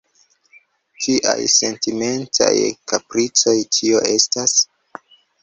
Kiaj sentimentaj kapricoj tio estas?